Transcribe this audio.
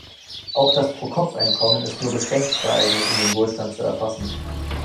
Auch das Pro-Kopf-Einkommen ist nur beschränkt geeignet, um den Wohlstand zu erfassen.